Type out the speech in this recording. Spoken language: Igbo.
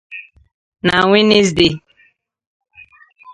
na Nwenezdee